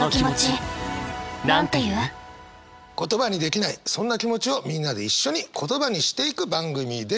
言葉にできないそんな気持ちをみんなで一緒に言葉にしていく番組です。